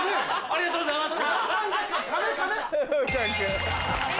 ありがとうございます。